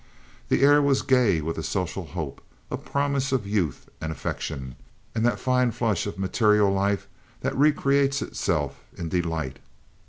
The air was gay with a social hope, a promise of youth and affection, and that fine flush of material life that recreates itself in delight.